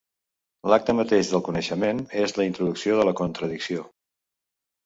L'acte mateix del coneixement és la introducció de la contradicció.